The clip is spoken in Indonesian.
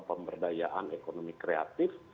pemberdayaan ekonomi kreatif